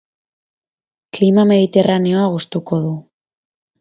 Klima mediterraneoa gustuko du.